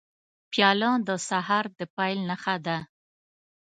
پیاله د سهار د پیل نښه ده.